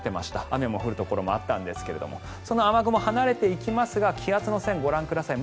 雨も降るところもあったんですがその雨雲は離れていきますが気圧の線ご覧ください。